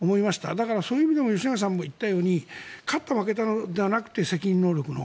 だからそういう意味でも吉永さんも言ったように勝った負けたではなくて責任能力の。